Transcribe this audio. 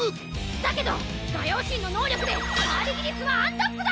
だけどガヨウ神の能力でパーリギリスはアンタップだ！